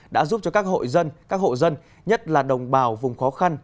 đã giúp cho các hội dân các hộ dân nhất là đồng bào vùng khó khăn